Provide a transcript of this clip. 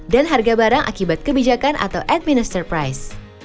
dan harga barang akibat kebijakan atau administered price